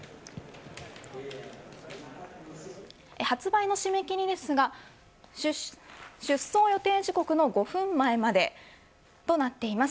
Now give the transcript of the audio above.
発売の締め切りですが出走予定時刻の５分前までとなっています。